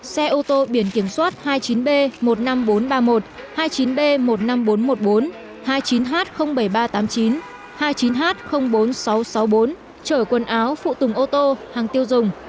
xe ô tô biển kiểm soát hai mươi chín b một mươi năm nghìn bốn trăm ba mươi một hai mươi chín b một mươi năm nghìn bốn trăm một mươi bốn hai mươi chín h bảy nghìn ba trăm tám mươi chín hai mươi chín h bốn nghìn sáu trăm sáu mươi bốn chở quần áo phụ tùng ô tô hàng tiêu dùng